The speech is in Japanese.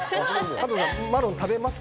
加藤さん、マロン食べますか？